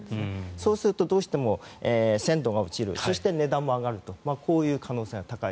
そうするとどうしても鮮度が落ちるそして値段も上がるこうした可能性が高い。